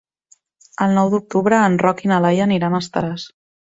El nou d'octubre en Roc i na Laia aniran a Estaràs.